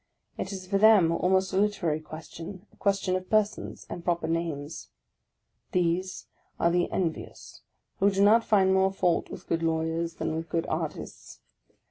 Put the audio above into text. It is for them almost a literary question, a question of persons, and proper names; these are the envious, who do not find more fault with good lawyers than with good artists.